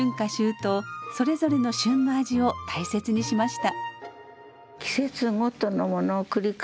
冬それぞれの旬の味を大切にしました。